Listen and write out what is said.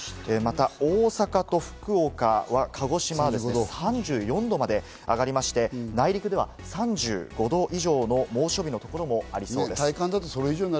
また大阪と福岡、鹿児島は３４度まで上がりまして、内陸では３５度以上の猛暑日のところもありそうです。